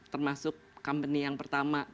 termasuk company yang pertama